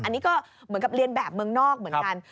อันนี้ก็เหมือนกับเรียนแบบเมืองนอกเหมือนกัน